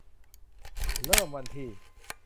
เริ่มวันที่